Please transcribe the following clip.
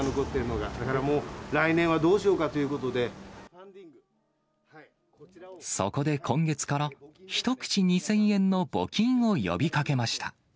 だからもう、来年はどうしようかそこで今月から、１口２０００円の募金を呼びかけました。